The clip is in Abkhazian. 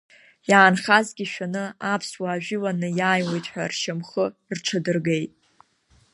Иаанхазгьы шәаны аԥсуаа жәыланы иааиуеит ҳәа ршьамхы рҽадыргеит.